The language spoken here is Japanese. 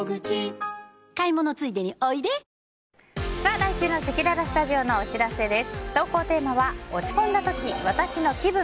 来週のせきららスタジオのお知らせです。